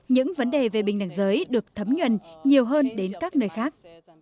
những vấn đề về bình đảng giới được thấm nhuận nhiều hơn đến các nơi khác